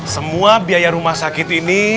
semua biaya rumah sakit ini